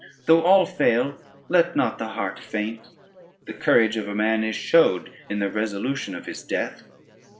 though all fail, let not the heart faint: the courage of a man is showed in the resolution of his death."